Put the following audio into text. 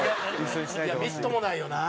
みっともないよなあ。